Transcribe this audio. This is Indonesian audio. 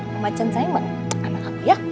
om pachan sayang anak aku ya